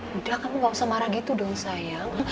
udah kamu gak usah marah gitu dong sayang